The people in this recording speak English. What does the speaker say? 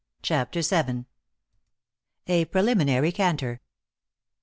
*CHAPTER VII.* *A PRELIMINARY CANTER.